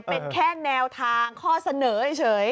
เป็นแค่แนวทางข้อเสนอเฉย